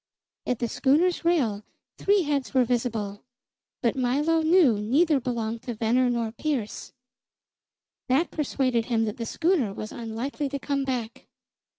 At the schooner's rail three heads were visible; but Milo knew neither belonged to Venner nor Pearse. That persuaded him that the schooner was unlikely to come back.